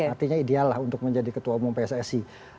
artinya ideal lah untuk menjadi ketua umum pssi